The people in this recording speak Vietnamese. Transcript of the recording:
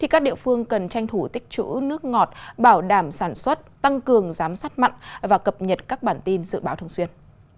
các địa phương cần tranh thủ tích chữ nước ngọt bảo đảm sản xuất tăng cường giám sát mặn và cập nhật các bản tin dự báo thường xuyên